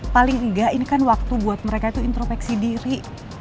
paling enggak ini kan waktu buat mereka itu intropeksi diri